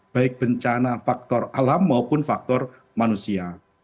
baik bencana faktor alam maupun faktor manusia